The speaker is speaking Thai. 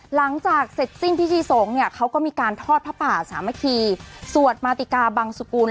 หลังจากเสร็จสิ้นพิธีสงฆ์เนี่ยเขาก็มีการทอดพระป่าสามัคคีสวดมาติกาบังสุกุล